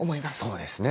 そうですね。